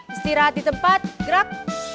istirahat di tempat gerak